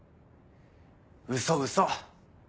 ウソウソ。